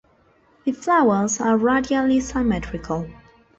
The flowers are radially symmetrical.